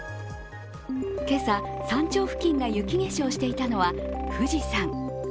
今朝、山頂付近が雪化粧をしていたのは富士山。